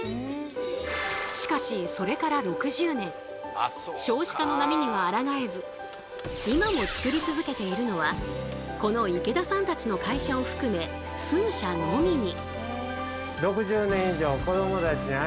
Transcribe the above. しかしそれから６０年今も作り続けているのはこの池田さんたちの会社を含め数社のみに。